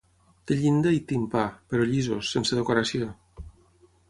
Té llinda i timpà, però llisos, sense decoració.